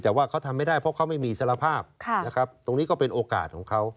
แต่ว่าเขาทำไม่ได้เพราะเขาไม่มีสารภาพนะครับตรงนี้ก็เป็นโอกาสของเขา